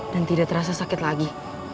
dan tidak terasa sakit lagi